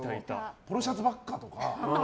ポロシャツばっかりとか。